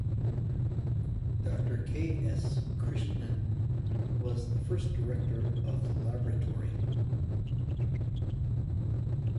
Doctor K. S. Krishnan was the first Director of the laboratory.